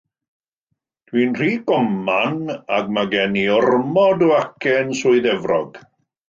Dw i'n rhy goman ac mae gen i ormod o acen Swydd Efrog.